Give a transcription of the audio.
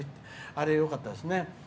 あれ、よかったですね。